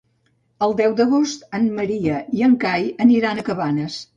El deu d'agost en Maria i en Cai aniran a Cabanes.